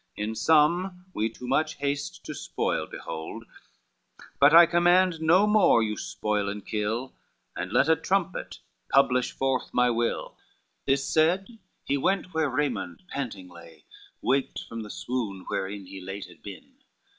In some we too much haste to spoil behold, But I command no more you spoil and kill, And let a trumpet publish forth my will." LIII This said, he went where Raymond panting lay, Waked from the swoon wherein he late had been.